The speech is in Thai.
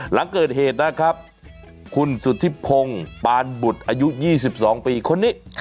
หลังเกิดเหตุนะครับคุณสุธิพงศ์ปานบุตรอายุ๒๒ปีคนนี้